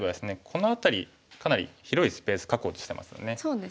この辺りかなり広いスペース確保してますよね。